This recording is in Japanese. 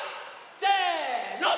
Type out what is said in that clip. せの！